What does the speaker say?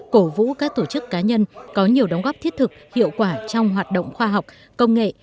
cổ vũ các tổ chức cá nhân có nhiều đóng góp thiết thực hiệu quả trong hoạt động khoa học công nghệ